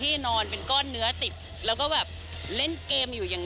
ไม่หรอกติดเกมดีกว่าไปติดหญิงป่ะ